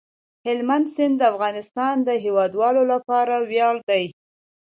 هلمند سیند د افغانستان د هیوادوالو لپاره ویاړ دی.